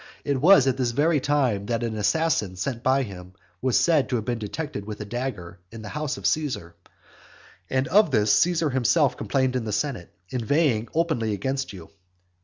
It was at this very time that an assassin sent by him was said to have been detected with a dagger in the house of Caesar. And of this Caesar himself complained in the senate, inveighing openly against you.